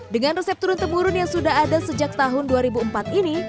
dengan resep turun temurun yang sudah ada sejak tahun dua ribu empat ini